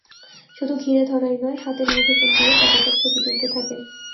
শুধু ঘিরে ধরাই নয়, হাতের মুঠোফোন দিয়ে টপাটপ ছবি তুলতে থাকেন।